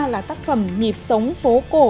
là tác phẩm nhịp sống phố cổ